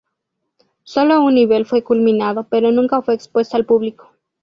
Solo un nivel fue culminado, pero nunca fue expuesto al público.